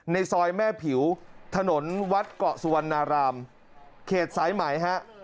ในซอยแม่ผิวถนนวัดเกาะสุวรรณารามเขตสายไหมฮะ